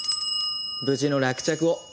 無事の落着を。